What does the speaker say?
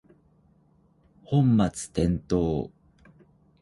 本末転倒